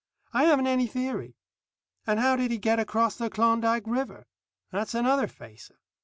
I haven't any theory. And how did he get across the Klondike River? That's another facer.